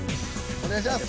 お願いします。